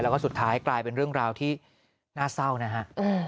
แล้วก็สุดท้ายกลายเป็นเรื่องราวที่น่าเศร้านะฮะ